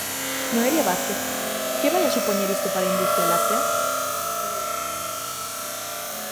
Noelia Vázquez, que vai a supoñer isto para a industria láctea?